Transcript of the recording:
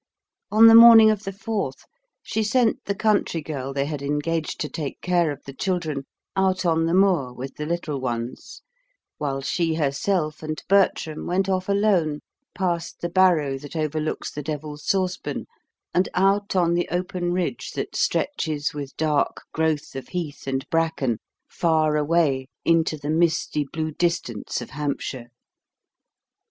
On the morning of the fourth, she sent the country girl they had engaged to take care of the children, out on the moor with the little ones, while she herself and Bertram went off alone, past the barrow that overlooks the Devil's Saucepan, and out on the open ridge that stretches with dark growth of heath and bracken far away into the misty blue distance of Hampshire.